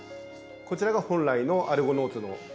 こちらが本来のアルゴノーツの姿に。